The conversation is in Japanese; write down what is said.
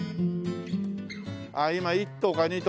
あっ今１頭か２頭